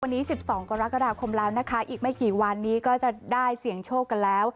วันนี้๑๒กรกฎาคมแล้วนะคะอีกไม่กี่วันนี้ก็จะได้เสี่ยงโชคกันแล้ว